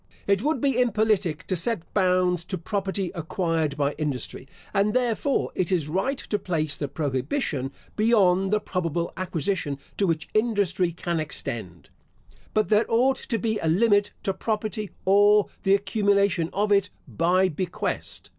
It would be impolitic to set bounds to property acquired by industry, and therefore it is right to place the prohibition beyond the probable acquisition to which industry can extend; but there ought to be a limit to property or the accumulation of it by bequest.